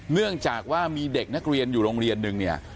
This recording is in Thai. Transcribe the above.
เนื่องจากว่ามีเด็กนักเรียนอยู่โรงเรียนนึงเนี่ย